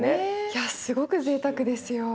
いやすごくぜいたくですよ。